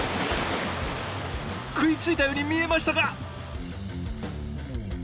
食いついたように見えましたが。